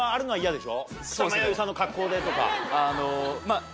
草間彌生さんの格好でとか。